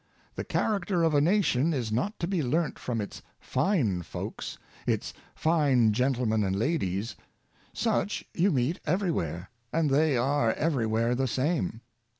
The character of a nation is not to be learnt from its fine folks, its fine gentlemen and ladies; such you meet everywhere, and they are everywhere the same."